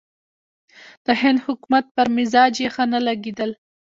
د هند حکومت پر مزاج یې ښه نه لګېدل.